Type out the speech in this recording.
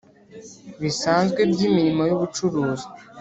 Bisanzwe by imirimo y ubucuruzi